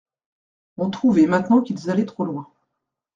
On trouvait maintenant qu'ils allaient trop loin.